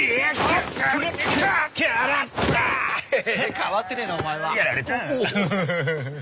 変わってねえなお前は。